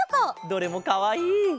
どれもかわいい！